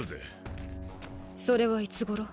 それはいつごろ？